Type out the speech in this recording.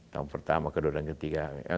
tahun pertama kedua dan ketiga